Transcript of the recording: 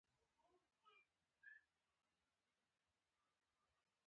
زړه په بدن کې چیرته موقعیت لري